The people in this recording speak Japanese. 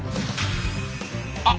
あ！